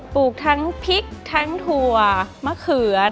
ลูกทั้งพริกทั้งถั่วมะเขือ